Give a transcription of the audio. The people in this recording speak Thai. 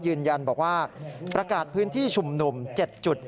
ยืนยันบอกว่าประกาศพื้นที่ชุมนุม๗จุด